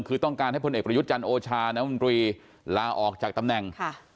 คือต้องการให้พลเอกประยุทธ์จันทร์โอชาน้ำมนตรีลาออกจากตำแหน่ง